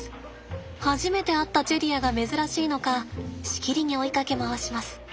初めて会ったチェリアが珍しいのかしきりに追いかけ回します。